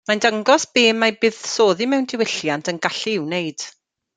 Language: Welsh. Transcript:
Mae'n dangos be ma buddsoddi mewn diwylliant yn gallu'i wneud.